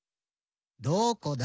どこだ？